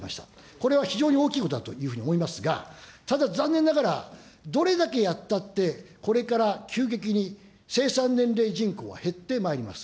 これは非常に大きいことだというふうに思いますが、ただ残念ながら、どれだけやったって、これから急激に生産年齢人口は減ってまいります。